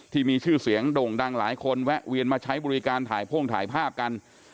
ที่มีชื่อเสียงด่งดังหลายคนแวะเวียนมาใช้บริการถ่ายพ่งถ่ายภาพกัน